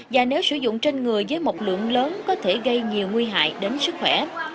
và nếu sử dụng trên người với một lượng lớn có thể gây nhiều nguy hại đến sức khỏe